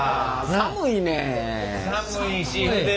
寒いねん。